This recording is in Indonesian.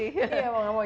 iya mau gak mau